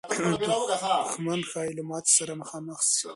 دښمن ښایي له ماتې سره مخامخ سي.